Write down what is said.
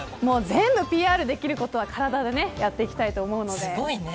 全部ＰＲできることは体でやっていきたいと思うので。